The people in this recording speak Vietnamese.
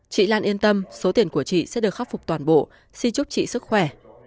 chị lan yên tâm số tiền của chị sẽ được khắc phục toàn bộ xin chúc chị sức khỏe